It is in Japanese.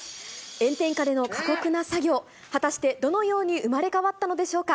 炎天下での過酷な作業、果たしてどのように生まれ変わったのでしょうか。